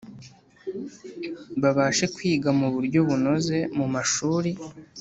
babashe kwiga mu buryo bunoze mu mashuri